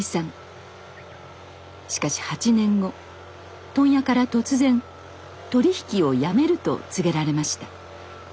しかし８年後問屋から突然「取り引きをやめる」と告げられました。